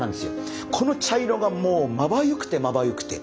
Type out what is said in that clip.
この茶色がもうまばゆくてまばゆくて。